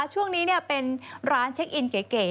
ช่วงนี้เป็นร้านเช็คอินเก๋